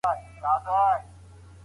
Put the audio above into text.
کرني پوهنځۍ بې دلیله نه تړل کیږي.